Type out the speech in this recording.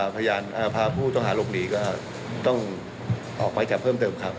พาผู้ต่อหารกหนีก็ต้องออกไปจากเพิ่มเติมครับ